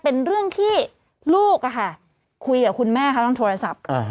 เป็นเรื่องที่ลูกคุยกับคุณแม่เขาทางโทรศัพท์